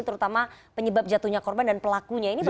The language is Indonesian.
terutama penyebab jatuhnya korban dan pelakunya ini